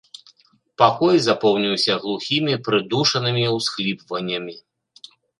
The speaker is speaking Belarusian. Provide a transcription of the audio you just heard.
Пакой запоўніўся глухімі прыдушанымі ўсхліпваннямі.